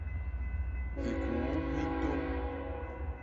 Hikuu hi ntôñ.